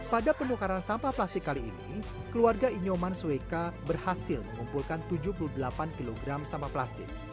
pada penukaran sampah plastik kali ini keluarga inyoman sweka berhasil mengumpulkan tujuh puluh delapan kg sampah plastik